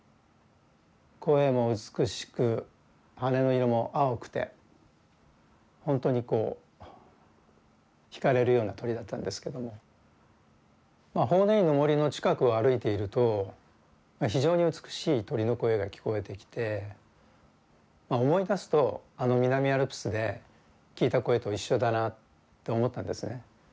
声も美しく羽の色も青くて本当にこう惹かれるような鳥だったんですけどもまあ法然院の森の近くを歩いていると非常に美しい鳥の声が聞こえてきて思い出すとあの南アルプスで聞いた声と一緒だなって思ったんですね。